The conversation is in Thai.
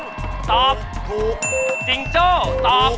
จิงโชตอบ